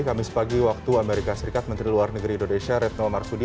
kamis pagi waktu amerika serikat menteri luar negeri indonesia retno marsudi